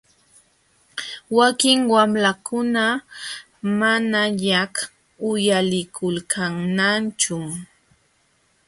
Wakin wamlakuna manañaq uyalikulkanñachum.